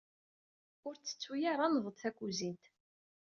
Ur tettuy ara nneḍ-d takuzint.